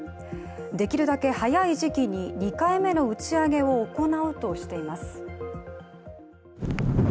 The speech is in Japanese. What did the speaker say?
できるだけ早い時期に２回目の打ち上げを行うとしています。